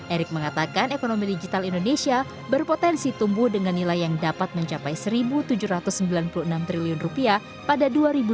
erick mengatakan ekonomi digital indonesia berpotensi tumbuh dengan nilai yang dapat mencapai rp satu tujuh ratus sembilan puluh enam triliun pada dua ribu dua puluh